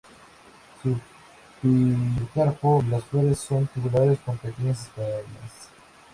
Su pericarpo y las flores son tubulares con pequeñas escalas.